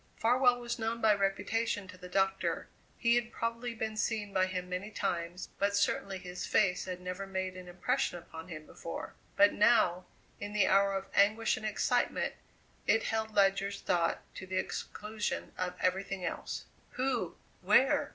Farwell was known by reputation to the doctor; he had probably been seen by him many times, but certainly his face had never made an impression upon him before. But now, in the hour of anguish and excitement, it held Ledyard's thought to the exclusion of everything else. "Who? where?"